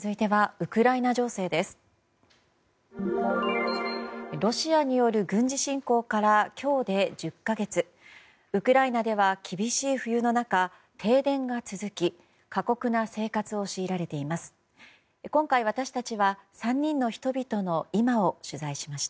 ウクライナでは厳しい冬の中停電が続き過酷な生活を強いられています。